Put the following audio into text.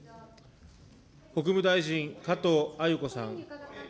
国務大臣、加藤鮎子さん。